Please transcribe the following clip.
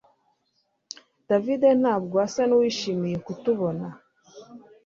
David ntabwo asa nuwishimiye kutubona